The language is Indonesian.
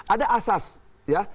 ada asas ya